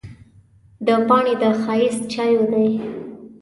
دا پاڼې د ښایسته چایو دي.